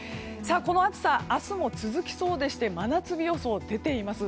この暑さ、明日も続きそうでして真夏日予想が出ています。